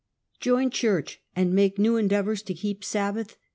JOIN CHCECH AND MAKE NEW ENDEAVORS TO KEEP SABBATH.